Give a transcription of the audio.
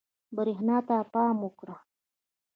برېښنا ته پام وکړه.